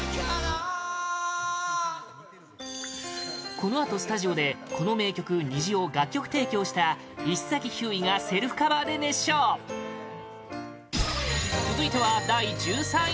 このあと、スタジオでこの名曲「虹」を楽曲提供した石崎ひゅーいがセルフカバーで熱唱続いては第１３位